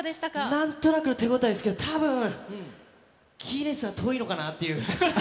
なんとなくの手応えあるんですけど、たぶんギネスは遠いのかなっていう。